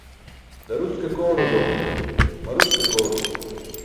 Daruc ke koorulo, maruć ke koorulo.